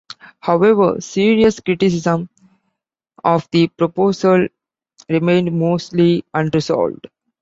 However, serious criticisms of the proposal remained mostly unresolved.